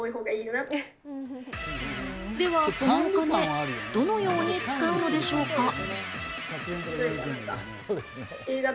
では、どのように使うのでしょうか？